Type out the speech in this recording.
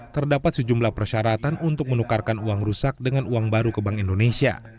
terdapat sejumlah persyaratan untuk menukarkan uang rusak dengan uang baru ke bank indonesia